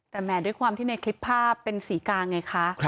แต่แหมด้วยความที่ในคลิปภาพเป็นศรีกาไงคะ